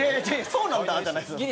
「そうなんだ？」じゃないですよ。